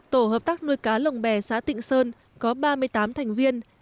tổ hợp tác nuôi cá lồng bè xã tịnh sơn có ba mươi tám thành viên